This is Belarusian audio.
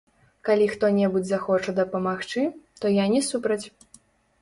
Калі хто-небудзь захоча дапамагчы, то я не супраць.